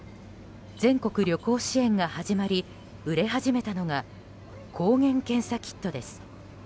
全国旅行支援が始まり売れ始めたのが抗原検査キットです。